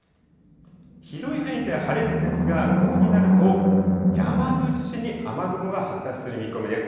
広い範囲で晴れるんですが、午後になると山沿いを中心に雨雲が発達する見込みです。